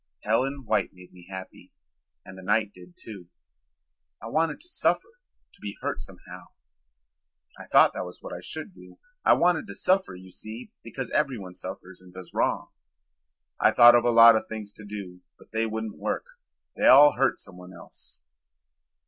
Helen White made me happy and the night did too. I wanted to suffer, to be hurt somehow. I thought that was what I should do. I wanted to suffer, you see, because everyone suffers and does wrong. I thought of a lot of things to do, but they wouldn't work. They all hurt someone else."